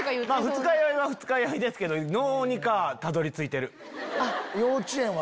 二日酔いは二日酔いですけどどうにかたどり着いてる。